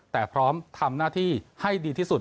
แต่พร้อมทำหน้าที่ให้ดีที่สุด